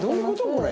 これ。